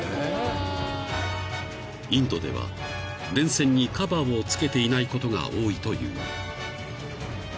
［インドでは電線にカバーをつけていないことが多いという］